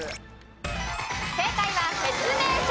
正解は説明書。